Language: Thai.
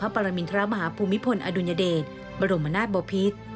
พระปรมิทรประมมิพลอดุญเดชบรมนาชบพิษ